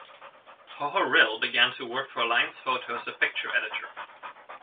Pohorylle began to work for Alliance Photo as a picture editor.